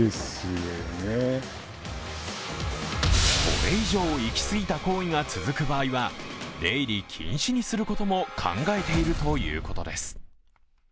これ以上、行き過ぎた行為が続く場合は出入り禁止にすることも考えているということです。